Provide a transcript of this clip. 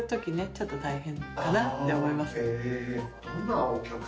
ちょっと大変かなって思います。